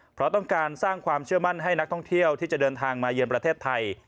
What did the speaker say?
เพราะต้องการสร้างความเชื่อมั่นให้นักท่องเที่ยวที่จะเดินทางมาเยือนประเทศไทย